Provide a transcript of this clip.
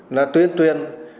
là tuyên tuyên